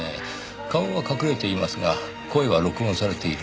顔は隠れていますが声は録音されている。